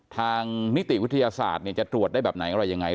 ทางนิติวิทยาศาสตร์จะตรวจได้แบบไหนอะไรยังไง